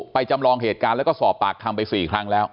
จำลองเหตุการณ์แล้วก็สอบปากคำไป๔ครั้งแล้ว